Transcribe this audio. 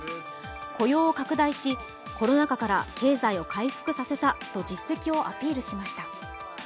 雇用を拡大し、コロナ禍から経済を回復させたと実績をアピールしました。